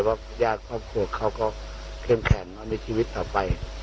ว่าพระยาที่ครอบครัวเขาก็เข้มแข็งและมีชีวิตต่อไป